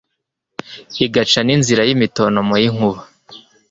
igaca n'inzira y'imitontomo y'inkuba